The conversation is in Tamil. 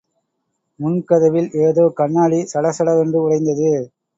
முன் கதவில் ஏதோ கண்ணாடி சட சட வென்று உடைந்தது!